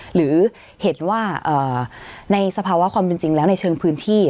หรือเห็นว่าในสภาวะความเป็นจริงแล้วในเชิงพื้นที่